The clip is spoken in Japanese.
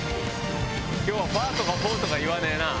今日はファとかフォとか言わねえな